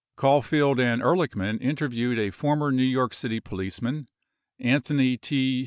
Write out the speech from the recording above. Caulfield and Ehrlichman interviewed a former New York City policeman, Anthony T.